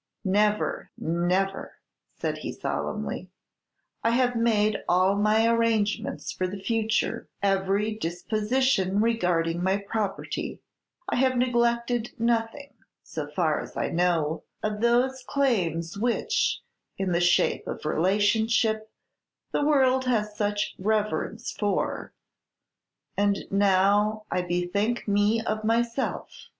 "Never, never!" said he, solemnly. "I have made all my arrangements for the future, every disposition regarding my property; I have neglected nothing, so far as I know, of those claims which, in the shape of relationship, the world has such reverence for; and now I bethink me of myself.